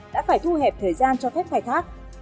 đã phải thu hẹp thời gian cho phép khai thác